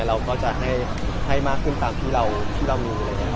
เราก็จะให้มากขึ้นตามที่เรามีเลยนะครับ